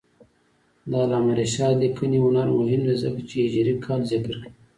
د علامه رشاد لیکنی هنر مهم دی ځکه چې هجري کال ذکر کوي.